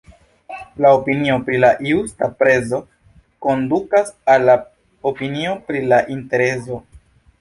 La opinio pri la justa prezo kondukas al la opinio pri la interezo.